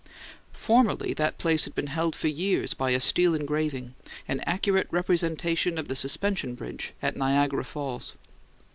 Formerly that place had been held for years by a steel engraving, an accurate representation of the Suspension Bridge at Niagara Falls.